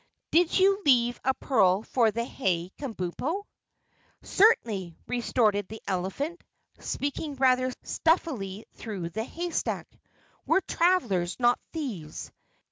Did you leave a pearl for the hay, Kabumpo?" "Certainly," retorted the elephant, speaking rather stuffily through the haystack. "We're travelers, not thieves.